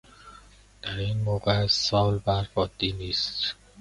در این موقع از سال برف عادی نیست.